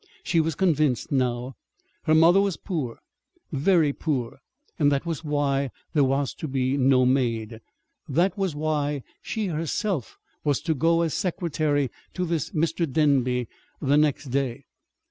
She was convinced now. Her mother was poor very poor. That was why there was to be no maid. That was why she herself was to go as secretary to this Mr. Denby the next day.